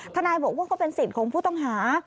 ทนายบอกว่าก็เป็นสิทธิ์ของผู้ต้องหา